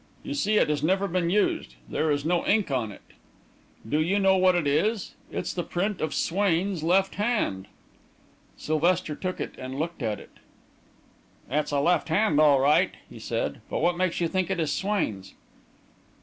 You see it has never been used there is no ink on it. Do you know what it is? It's the print of Swain's left hand." Sylvester took it and looked at it. "It's a left hand all right," he said. "But what makes you think it is Swain's?"